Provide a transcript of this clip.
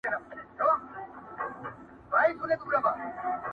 o ماهى چي هر وخت له اوبو راوکاږې، تازه وي!